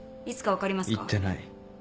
言ってない。